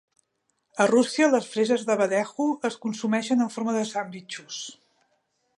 A Rússia, les freses d'abadejo es consumeixen en forma de sandvitxos.